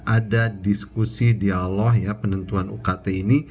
ada diskusi dialog ya penentuan ukt ini